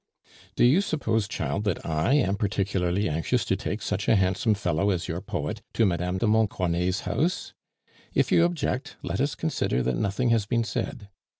"Do you suppose, child, that I am particularly anxious to take such a handsome fellow as your poet to Mme. de Montcornet's house? If you object, let us consider that nothing has been said.